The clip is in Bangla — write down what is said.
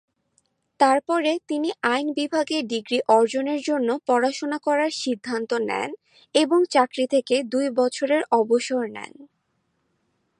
তারপরে তিনি আইন বিভাগে ডিগ্রি অর্জনের জন্য পড়াশোনা করার সিদ্ধান্ত নেন এবং চাকরি থেকে দুই বছরের অবসর নেন।